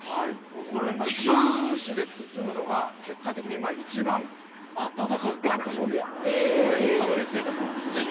これ新聞紙で包むのが結果的に一番あったかかったそうでこれにたどりついたそうなんですよね。